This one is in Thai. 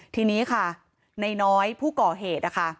ทีนี้ค่ะในน้อยผู้ก่อเหตุนะคะ